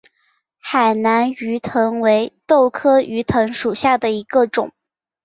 海南鱼藤为豆科鱼藤属下的一个种。